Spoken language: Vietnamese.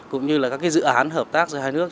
cũng như các dự án hợp tác giữa hai nước